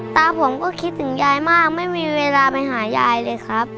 ตาผมก็คิดถึงยายมากไม่มีเวลาไปหายายเลยครับ